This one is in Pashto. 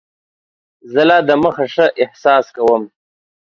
زه لا دمخه ښه احساس کوم.